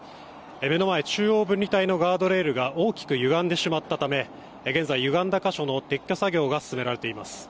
目の前、中央分離帯のガードレールが大きく歪んでしまったため現在歪んだ箇所の撤去作業が進められています。